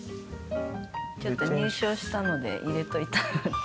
ちょっと入賞したので入れておいた。